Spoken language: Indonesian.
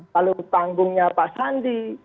lalu panggungnya pak sandi